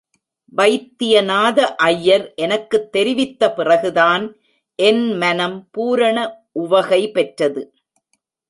வைத்தியநாத ஐயர் எனக்குத் தெரிவித்த பிறகுதான், என் மனம் பூரண உவகை பெற்றது.